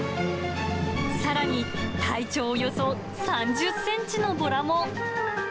さらに、体長およそ３０センチのボラも。